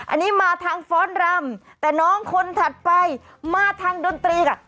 อันนี้มาทางฟ้อนรำแต่น้องคนถัดไปมาทางดนตรีค่ะ